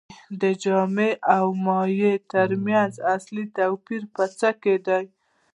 د جامد او مایع ترمنځ اصلي توپیر په څه کې دی